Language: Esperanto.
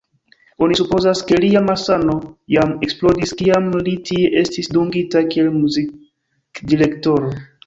Oni supozas, ke lia malsano jam eksplodis, kiam li tie estis dungita kiel muzikdirektoro.